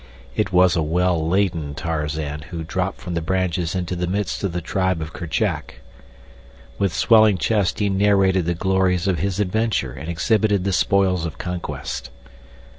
It was a well laden Tarzan who dropped from the branches into the midst of the tribe of Kerchak. With swelling chest he narrated the glories of his adventure and exhibited the spoils of conquest.